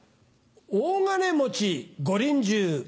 大金持ちご臨終。